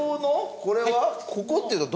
これは。